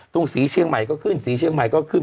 สีเชียงใหม่ก็ขึ้นสีเชียงใหม่ก็ขึ้น